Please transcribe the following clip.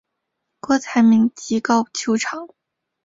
郭台铭提告求偿。